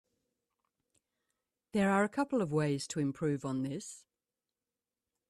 There are a couple ways to improve on this.